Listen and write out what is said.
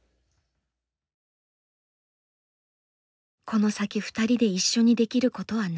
この先２人で一緒にできることは何か。